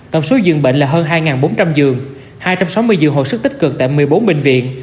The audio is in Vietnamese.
tổng số dường bệnh là hơn hai bốn trăm linh giường hai trăm sáu mươi giường hồi sức tích cực tại một mươi bốn bệnh viện